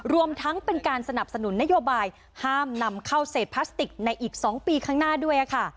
รวมทั้งเป็นการสนับสนุนนโยบายห้ามนำเข้าเศษพลาสติกในอีก๒ปีข้างหน้าด้วยค่ะ